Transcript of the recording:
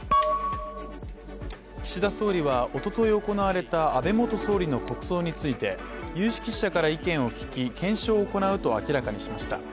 岸田総理はおととい行われた安倍元総理の国葬について有識者から意見を聞き、検証を行うと明らかにしました。